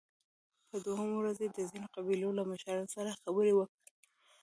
په دوهمه ورځ يې د ځينو قبيلو له مشرانو سره خبرې وکړې